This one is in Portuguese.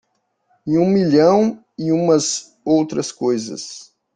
E um milhão e uma outras coisas.